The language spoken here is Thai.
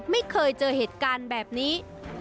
ไม่เคยเจอเหตุการณ์แบบนี้